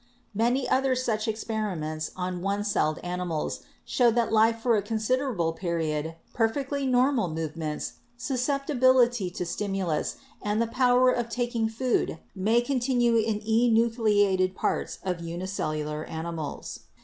Many other such experiments on one celled animals show that life for a considerable period, perfectly normal movements, susceptibility to stimulus and the power of taking food may continue in enucleated parts of unicellular animals.